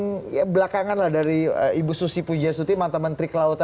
sampai jumpa dahur saya bel federal bases musim hutang di beres korea